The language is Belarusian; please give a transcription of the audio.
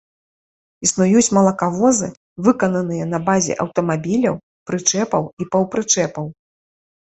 Існуюць малакавозы, выкананыя на базе аўтамабіляў, прычэпаў і паўпрычэпаў.